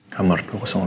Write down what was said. kamu cari aku ke hotel